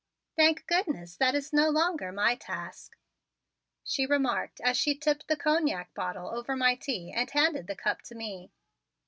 Thank goodness, that is no longer my task," she remarked as she tipped the cognac bottle over my tea and handed the cup to me.